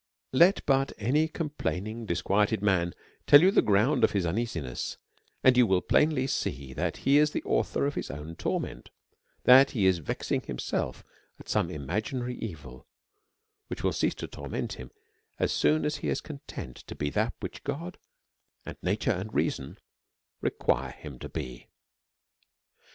Let but any complaining, disquieted man, tell you the ground of his uneasiness, and you will plainly see that he is the author of his own torment, that he is vexing himself at some imaginary evil, which will cease to torment him as soon as he is content to be that which God, and nature, and reason, require him to be.